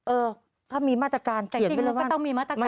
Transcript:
เออก็มีมาตรการเขียนไปแล้วว่าจริงก็ต้องมีมาตรการ